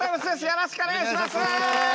よろしくお願いします！